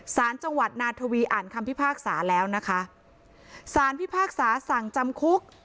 สารจังหวัดนาทวีอ่านคำพิพากษาแล้วนะคะสารพิพากษาสั่งจำคุก